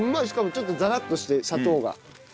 しかもちょっとザラッとして砂糖が。